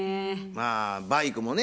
まあバイクもね